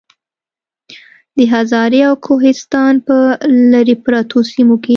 د هزارې او کوهستان پۀ لرې پرتو سيمو کې